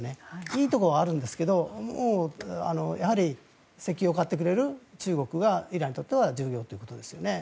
いいところはあるんですがやはり石油を買ってくれる中国がイランにとっては重要ということですよね。